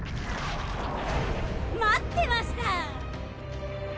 待ってました！